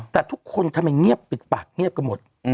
แต่ทุกคนทำไมเงียบปิดปากเงียบกันหมด